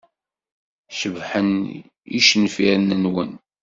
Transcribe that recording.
Cebḥen yicenfiren-nwen.